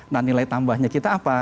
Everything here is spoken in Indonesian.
nah nilai tambahnya kita apa